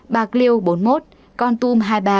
bạc liêu bốn mươi một con tum hai mươi ba